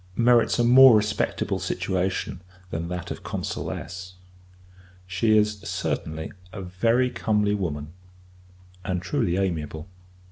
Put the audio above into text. merits a more respectable situation than that of Consuless. She is, certainly, a very comely woman, and truly amiable.